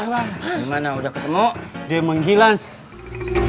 dimana udah ketemu dia menghilang